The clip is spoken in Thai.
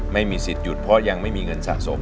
ไม่มีสิทธิ์หยุดเพราะยังไม่มีเงินสะสม